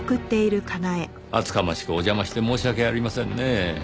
厚かましくお邪魔して申し訳ありませんねぇ。